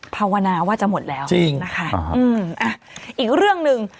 ภาวนาว่าจะหมดแล้วนะคะอีกเรื่องหนึ่ง